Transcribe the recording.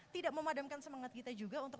tidak memadamkan semangat kita juga untuk